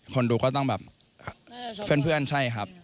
คนดูก็ต้องแบบเพื่อนใช่ครับ